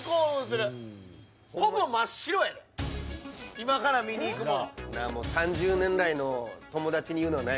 今から見に行くもの。